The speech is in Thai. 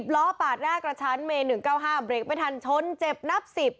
๑๐ล้อป่านหน้ากระชั้นแม้ย้๑๕เบรกไม่ทันทนเจ็บนับ๑๐